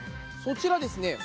そちらですね